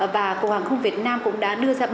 và cục hàng không việt nam cũng đã đưa ra